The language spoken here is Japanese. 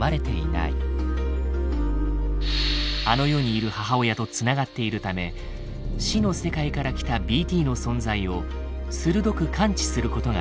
あの世にいる母親と繋がっているため死の世界から来たＢＴの存在を鋭く感知することができる。